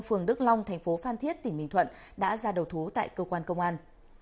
phường đức long thành phố phan thiết tỉnh bình thuận đã ra đầu thú tại cơ quan công an